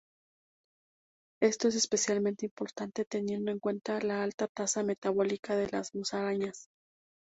Esto es especialmente importante teniendo en cuenta la alta tasa metabólica de las musarañas.